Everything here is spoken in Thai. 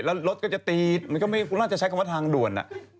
แล้วรถก็จะตีมันก็ไม่น่าจะใช้คำว่าทางด่วน